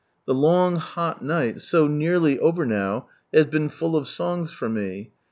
Tlie long hot night, so nearly over now, has been full of songs for me.